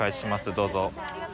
どうぞ。